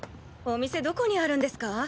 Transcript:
お店どこにあるんですか？